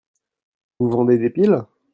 Vous vendez des piles ?